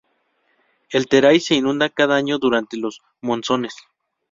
El Terai se inunda cada año durante los monzones.